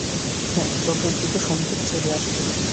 হ্যাঁ, যত দ্রুত সম্ভব চলে আসব।